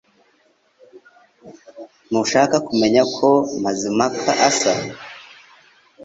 Ntushaka kumenya uko Mazimpaka asa